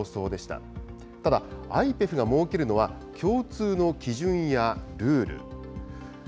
ただ、ＩＰＥＦが設けるのは、共通の基準やルール。